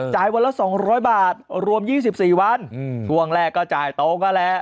วันละ๒๐๐บาทรวม๒๔วันช่วงแรกก็จ่ายโตก็แหละ